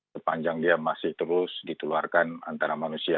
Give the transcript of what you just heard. sepanjang dia masih terus ditularkan antara manusia